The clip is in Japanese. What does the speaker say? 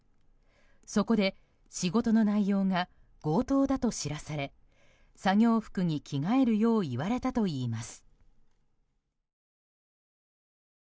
そこで仕事の内容が強盗だと知らされ作業服に着替えるよう言われたといいます。